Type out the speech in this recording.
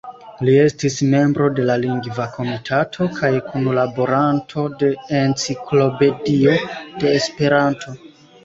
Li estis membro de la Lingva Komitato kaj kunlaboranto de "Enciklopedio de Esperanto".